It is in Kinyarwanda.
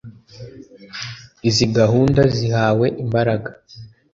izi gahunda zihawe imbaraga